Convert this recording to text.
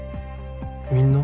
みんな？